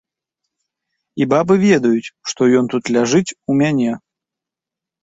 І бабы ведаюць, што ён тут ляжыць у мяне.